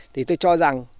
thì tôi cho rằng